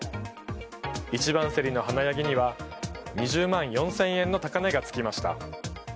一番競りの華ヤギには２０万４０００円の高値が付きました。